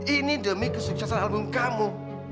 ini demi kesuksesan album kamu